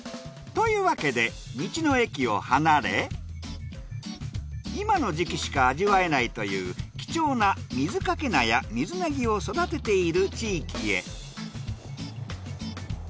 というわけで道の駅を離れ今の時期しか味わえないという貴重な水かけ菜や水ネギを育てている地域へ。